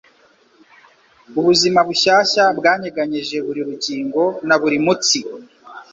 Ubuzima bushyashya bwanyeganyeje buri rugingo na buri mutsi,